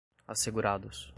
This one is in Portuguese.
assegurados